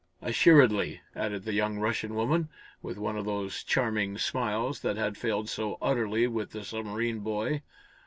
"Assuredly," added the young Russian woman, with one of those charming smiles that had failed so utterly with the submarine boy.